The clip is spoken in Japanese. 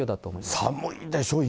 寒いでしょ、今。